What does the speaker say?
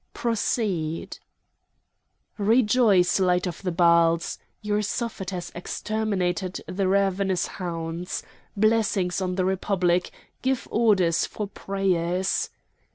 "Proceed!" said Hanno. "Rejoice, light of the Baals! your Suffet has exterminated the ravenous hounds! Blessings on the Republic! Give orders for prayers!"